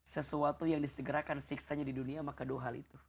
sesuatu yang disegerakan siksanya di dunia maka dua hal itu